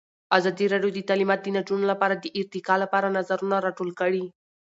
ازادي راډیو د تعلیمات د نجونو لپاره د ارتقا لپاره نظرونه راټول کړي.